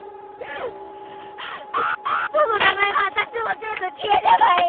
その名前も私も全部消えればいい！